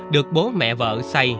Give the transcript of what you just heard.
được bố mẹ vợ xây